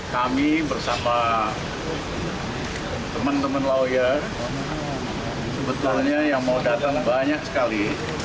kami bersama teman teman lawyer sebetulnya yang mau datang banyak sekali